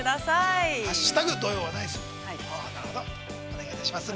お願いいたします。